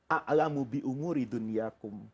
a'lamu biunguri duniakum